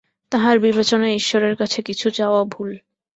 তাহার বিবেচনায় ঈশ্বরের কাছে কিছু চাওয়া ভুল।